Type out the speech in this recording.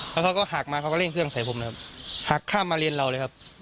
แล้วเขาก็หักมาเขาก็เร่งเครื่องใส่ผมนะครับหักข้ามมาเลนเราเลยครับ